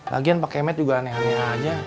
lagian pakai med juga aneh aneh aja